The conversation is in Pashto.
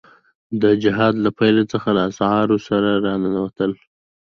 د جهاد له پيل څخه له اسعارو سره را ننوتل.